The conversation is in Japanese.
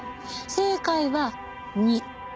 正解は２。